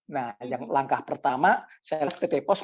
nah yang langkah pertama pt post memang beberapa alat